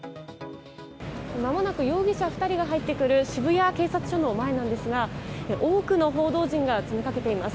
まもなく容疑者２人が入ってくる渋谷警察署の前なんですが多くの報道陣が詰めかけています。